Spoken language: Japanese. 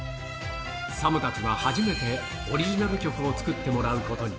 ＳＡＭたちは初めて、オリジナル曲を作ってもらうことに。